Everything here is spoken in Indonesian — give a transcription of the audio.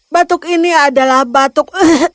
batuk ini adalah batuk